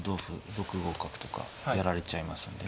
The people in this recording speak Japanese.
６五角とかやられちゃいますんでね。